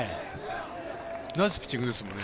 ナイスピッチングですもんね。